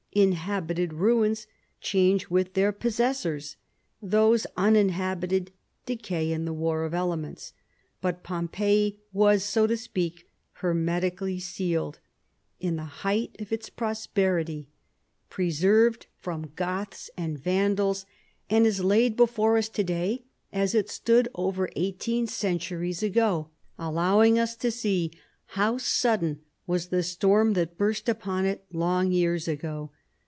Inhabited ruins change with their possessors: those uninhabited decay in the war of elements. But Pompeii was, so to speak, hermetically sealed, in the height of its prosperity, preserved from Goths and Vandals, and is laid before us to day as it stood over eighteen centuries ago, allowing us to see how sudden was the storm that burst upon it long years ago.